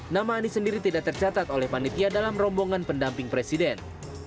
nama anies sendiri tidak tercatat oleh panitia dalam rombongan pendamping presiden